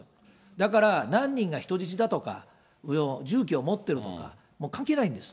だから、何人が人質だとか、銃器を持っているとか、もう関係ないんです。